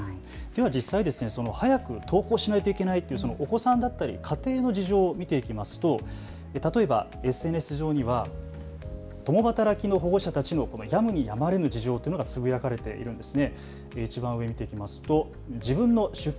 実際、早く登校しないといけないお子さんや家庭の事情を見ていきますと例えばＳＮＳ上には共働きの保護者たちのやむにやまれぬ事情がつぶやかれています。